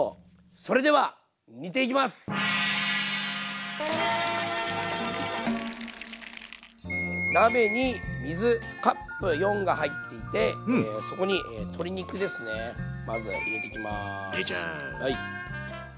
それでは鍋に水カップ４が入っていてそこに鶏肉ですねまず入れていきます。